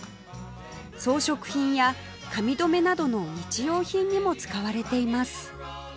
装飾品や髪留めなどの日用品にも使われています